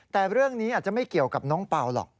แต่เรื่องนี้อาจจะไม่เกี่ยวกับน้องเปล่าหรอก